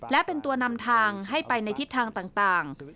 และเป็นตัวนำทางให้ไปในทิศทางต่าง